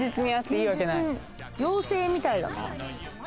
妖精みたいだな。